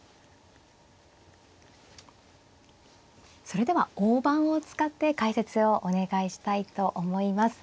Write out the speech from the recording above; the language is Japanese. それでは大盤を使って解説をお願いしたいと思います。